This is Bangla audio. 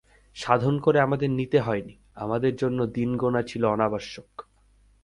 সাধন করে আমাদের নিতে হয় নি, আমাদের জন্যে দিন-গোনা ছিল অনাবশ্যক।